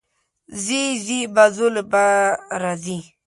ځې ځې، بازو له به راځې